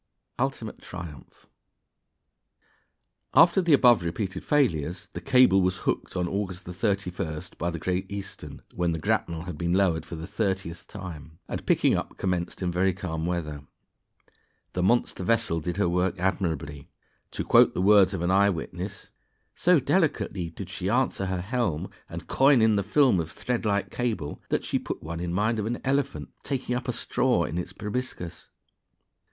Ultimate Triumph. After the above repeated failures, the cable was hooked on August 31st by the Great Eastern (when the grapnel had been lowered for the thirtieth time), and picking up commenced in very calm weather. The monster vessel did her work admirably. To quote the words of an eye witness: "So delicately did she answer her helm, and coil in the film of thread like cable, that she put one in mind of an elephant taking up a straw in its proboscis."